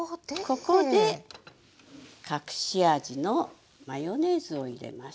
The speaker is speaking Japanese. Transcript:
ここで隠し味のマヨネーズを入れます。